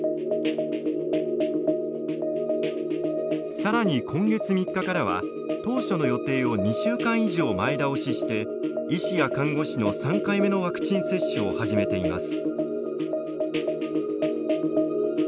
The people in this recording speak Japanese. さらに今月３日からは、当初の予定を２週間以上、前倒しして医師や看護師の３回目のワクチン接種を始めています。